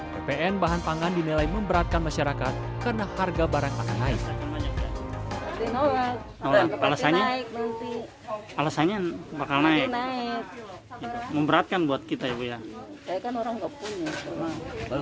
ppn bahan pangan dinilai memberatkan masyarakat karena harga barang akan naik